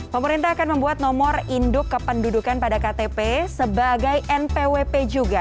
pemerintah akan membuat nomor induk kependudukan pada ktp sebagai npwp juga